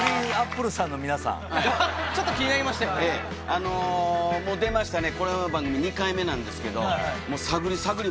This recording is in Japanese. あのうもう出ましたね。